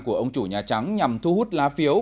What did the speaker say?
của ông chủ nhà trắng nhằm thu hút lá phiếu